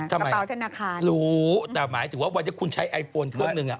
ทำไมรู้แต่หมายถึงว่าวันถึงคุณใช้โอไฟโฟนเครื่องหนึ่ง